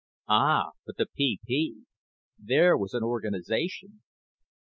Ah, but the PP. There was an organization!